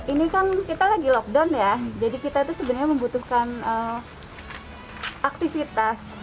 ini kan kita lagi lockdown ya jadi kita itu sebenarnya membutuhkan aktivitas